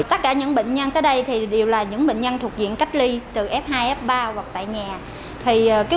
tất cả những bệnh nhân tới đây đều là những bệnh nhân thuộc diện cách ly từ f hai f ba hoặc tại nhà